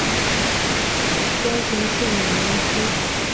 高雄市美浓区